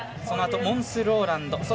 そのあと、モンス・ローランド。